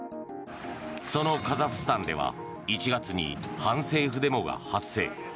そのカザフスタンでは１月に反政府デモが発生。